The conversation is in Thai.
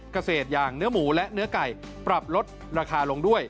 เกษตรอย่างเนื้อหมูและเนื้อไก่ปรับลดราคาลงด้วย